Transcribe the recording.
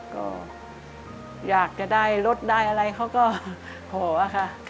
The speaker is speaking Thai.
ก็อยากจะได้รถได้อะไรเขาก็พอค่ะ